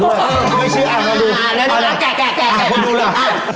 ไม่เชื่ออ่ามาดูอ่าแกะแกะแกะอ่าคุณดูแล้วอ่า